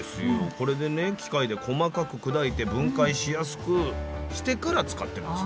これでね機械で細かく砕いて分解しやすくしてから使ってますね。